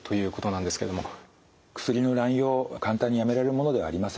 薬の乱用簡単にやめられるものではありません。